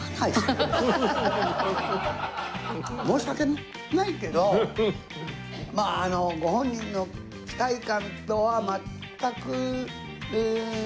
申し訳ないけどまああのご本人の期待感とは全く裏腹にうーん。